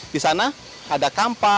di sana ada kampak